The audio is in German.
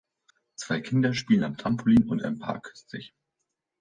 Zwei Kinder spielen am Trampolin und ein Paar küsst sich.